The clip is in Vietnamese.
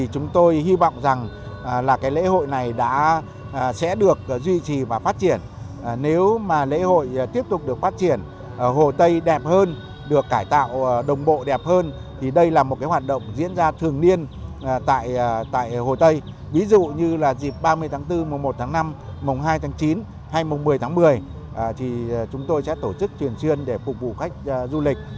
chúng tôi sẽ tổ chức truyền truyền để phục vụ khách du lịch